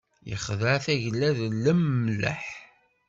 Ixdeɛ tagella d lemleḥ.